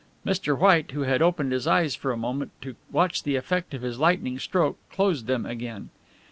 Mr. White, who had opened his eyes for a moment to watch the effect of his lightning stroke, closed them again.